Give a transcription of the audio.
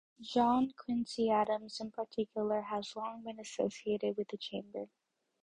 John Quincy Adams, in particular, has long been associated with the Chamber.